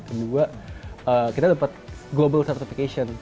kedua kita dapat global certification